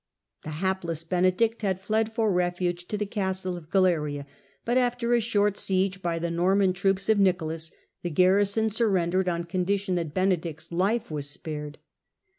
The hapless Benedict had fled for refuge to the castle of Galena; but after a short siege by the Degradation Normau fooops of Nicolas, the garrison sur X. rendered, on condition that Benedict's life was spared.